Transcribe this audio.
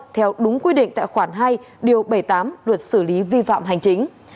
theo đúng quy định tại khoản hai điều bảy mươi tám luật xử lý vi phạm hành chính